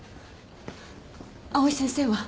藍井先生は？